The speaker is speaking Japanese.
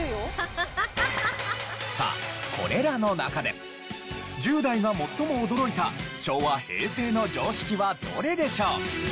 さあこれらの中で１０代が最も驚いた昭和・平成の常識はどれでしょう？